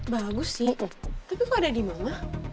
bagus sih tapi kok ada di mana